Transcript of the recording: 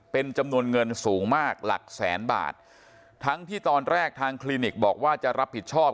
เป็นจำนวนเงินสูงมากหลักแสนบาททั้งที่ตอนแรกทางคลินิกบอกว่าจะรับผิดชอบ